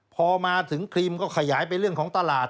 พอมาถึงครีมก็ขยายไปเรื่องของตลาด